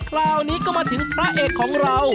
คราวนี้ก็มาถึงพระเอกของเรา